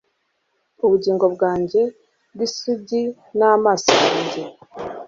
Ubugingo bwanjye bw'isugi n'amaso yanjye